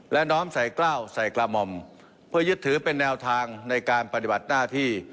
และน้อมใส่กล้าวใส่กระหม่อมเพื่อยึดถือเป็นแนวทางในการปฏิบัติหน้าที่